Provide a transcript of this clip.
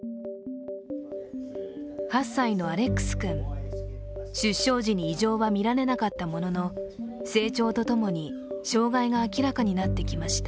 ８歳のアレックス君、出生時に異常は見られなかったものの成長とともに障害が明らかになってきました。